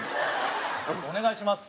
お願いします。